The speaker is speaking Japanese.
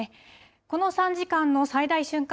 この３時間の最大瞬間